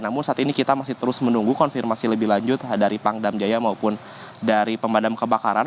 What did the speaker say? namun saat ini kita masih terus menunggu konfirmasi lebih lanjut dari pangdam jaya maupun dari pemadam kebakaran